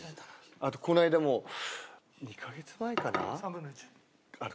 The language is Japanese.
あとこの間もう２カ月前かな？